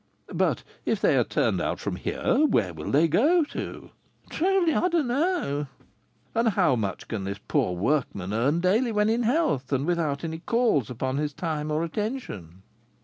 "But, if they are turned out from here, where will they go to?" "Truly, I don't know." "And how much can this poor workman earn daily when in health, and without any calls upon his time or attention?"